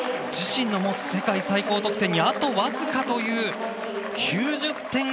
自身の持つ世界最高得点にあと僅かという９０．１８。